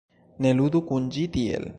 Ne ludu kun ĝi tiel